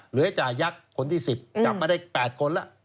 จ่ายักษ์คนที่๑๐จับมาได้๘คนแล้ว